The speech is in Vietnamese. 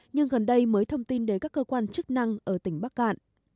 nhưng gần đây mới thông tin đến các cơ quan chức năng ở tỉnh bắc cạn